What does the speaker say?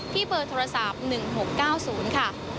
ที่เปิดโทรศัพท์๑๖๙๐ค่ะ